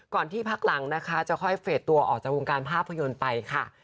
ที่พักหลังนะคะจะค่อยเฟสตัวออกจากวงการภาพยนตร์ไปค่ะ